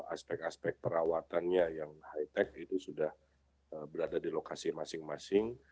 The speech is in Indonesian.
aspek aspek perawatannya yang high tech itu sudah berada di lokasi masing masing